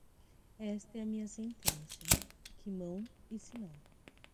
Esta é a minha sentença, que mão e sinal.